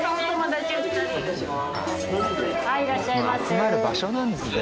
集まる場所なんですね。